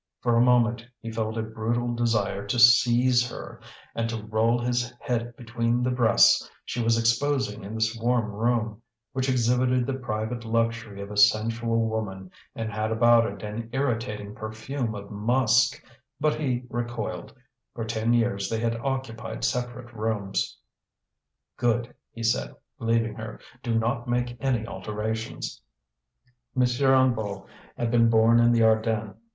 For a moment he felt a brutal desire to seize her, and to roll his head between the breasts she was exposing in this warm room, which exhibited the private luxury of a sensual woman and had about it an irritating perfume of musk, but he recoiled; for ten years they had occupied separate rooms. "Good!" he said, leaving her. "Do not make any alterations." M. Hennebeau had been born in the Ardennes.